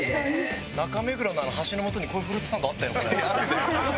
中目黒の橋のもとにこういうフルーツサンドあったよ。